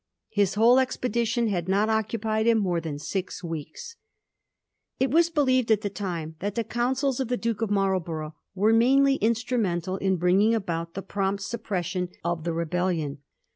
His whole expedition had not occupied him more than six weeks. It was believed at the time that the counsels of the Duke of Marlborough were mainly instrumental in bringing about the prompt suppression of the Digiti zed by Google 1716 MARLBOROUGH'S COUNSELS. 16^ rebellion.